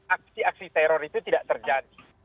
aksi aksi teror itu tidak terjadi